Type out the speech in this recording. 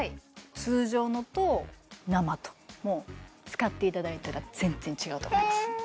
通常のと生と使っていただいたら全然違うと思います